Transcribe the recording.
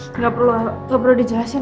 gak perlu dijelasin